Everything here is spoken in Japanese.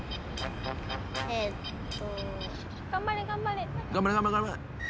えっと。